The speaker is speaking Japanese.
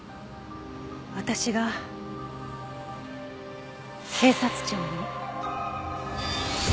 私が警察庁に？